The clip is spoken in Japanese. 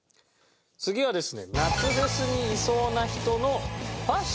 次はですね。